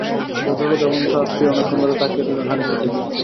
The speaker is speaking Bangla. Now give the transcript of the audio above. ভদ্রলোক এবং তাঁর স্ত্রী অনেকক্ষণ ধরে তাকিয়ে রইলেন হানিফার দিকে।